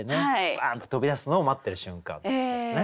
バンッと飛び出すのを待ってる瞬間ということですね。